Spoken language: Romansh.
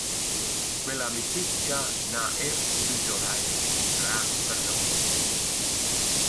Quella amicizcha n’ha eir pudü giodair e sun grat perdavo.